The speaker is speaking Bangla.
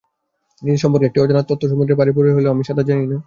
নিজের সম্পর্কে একটি অজানা তথ্যসমুদ্রের পাড়ে বাড়ি হলেও আমি সাঁতার জানি না।